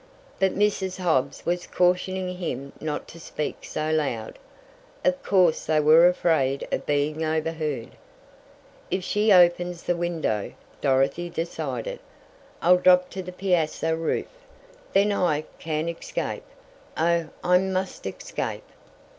But Mrs. Hobbs was cautioning him not to speak so loud. Of course they were afraid of being overheard. "If she opens the window," Dorothy decided, "I'll drop to the piazza roof! Then I can escape! Oh, I must escape!"